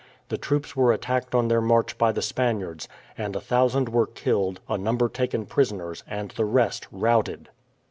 The troops were attacked on their march by the Spaniards, and a thousand were killed, a number taken prisoners, and the rest routed.